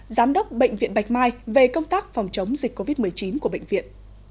giám đốc bệnh viện bạch mai về công tác phòng chống dịch covid một mươi chín của bệnh viện